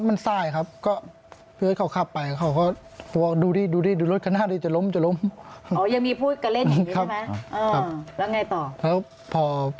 ฝ่ายท้ายครับครับครับ